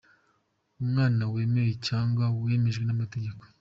Umwana wemewe cyangwa wemejwe n’amategeko,.